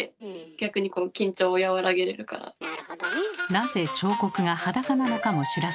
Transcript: なぜ彫刻が裸なのかも知らずに。